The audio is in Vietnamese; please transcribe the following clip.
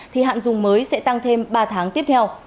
thì hạn dùng mới sẽ tăng thêm ba tháng tiếp theo